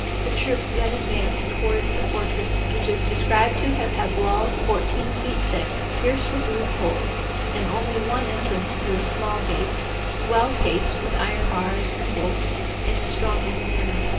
The troops then advanced towards the fortress, which is described to have had walls fourteen feet thick, pierced with loop holes, and only one entrance through a small gate, well cased with iron bars and bolts, in the strongest manner.